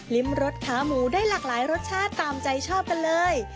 ริมรสขาหมูได้หลากหลายรสชาติตามใจชอบกันเลย